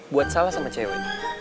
buat salah sama cewek